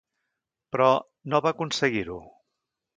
Però, no va aconseguir-ho.